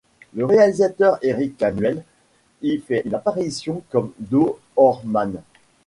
Le réalisateur Érik Canuel y fait une apparition comme doorman.